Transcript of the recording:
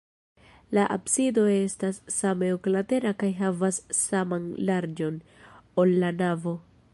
La absido estas same oklatera kaj havas saman larĝon, ol la navo.